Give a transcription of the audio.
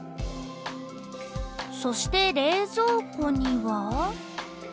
そして冷蔵庫には。